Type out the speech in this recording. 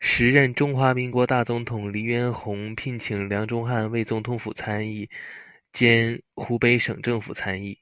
时任中华民国大总统黎元洪聘请梁钟汉为总统府参议兼湖北省政府参议。